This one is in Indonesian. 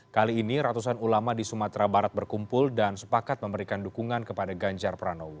kali ini ratusan ulama di sumatera barat berkumpul dan sepakat memberikan dukungan kepada ganjar pranowo